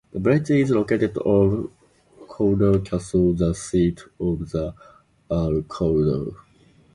The village is the location of Cawdor Castle, the seat of the Earl Cawdor.